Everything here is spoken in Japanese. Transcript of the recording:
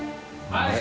はい。